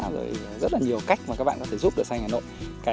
rất là nhiều cách mà các bạn có thể giúp đỡ xanh hà nội